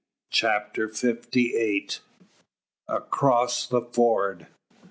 CHAPTER FIFTY EIGHT. ACROSS THE FORD.